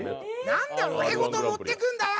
何で俺ごと持ってくんだよ。